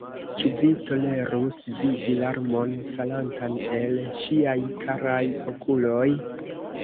Ĉu vi tolerus vidi larmon falantan el ŝiaj karaj okuloj?